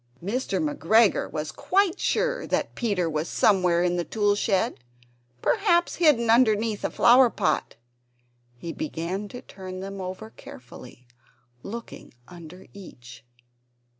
Mr. McGregor was quite sure that Peter was somewhere in the tool shed, perhaps hidden underneath a flower pot. He began to turn them over carefully, looking under each.